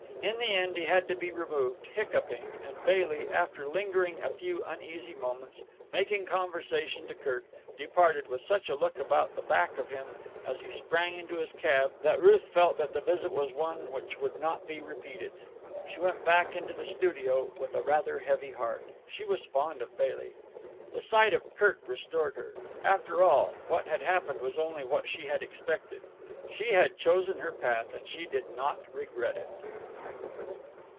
In the end he had to be removed, hiccupping, and Bailey, after lingering a few uneasy moments making conversation to Kirk, departed, with such a look about the back of him as he sprang into his cab that Ruth felt that the visit was one which would not be repeated. She went back into the studio with a rather heavy heart. She was fond of Bailey. The sight of Kirk restored her. After all, what had happened was only what she had expected. She had chosen her path, and she did not regret it.